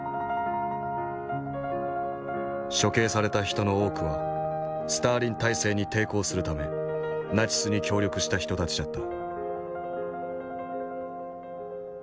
処刑された人の多くはスターリン体制に抵抗するためナチスに協力した人たちだった。